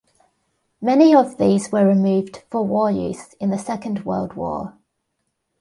Many of these were removed for war use in the Second World War.